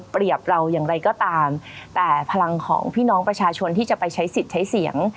พี่น้องประชาชนที่จะไปใช้สิทธิ์ใช้เสียง